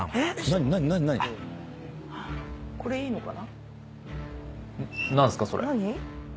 「これいいのかな？」